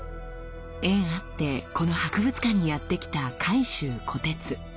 縁あってこの博物館にやってきた海舟虎徹。